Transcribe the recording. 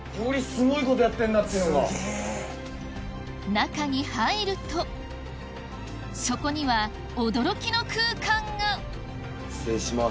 中に入るとそこには驚きの空間が失礼します。